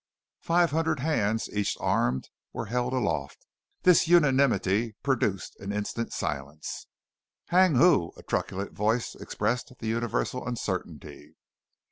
Five hundred hands, each armed, were held aloft. This unanimity produced an instant silence. "Hang who?" a truculent voice expressed the universal uncertainty.